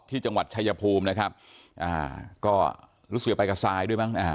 ที่จังหวัดชายภูมินะครับอ่าก็รู้สึกไปกับซายด้วยมั้งอ่า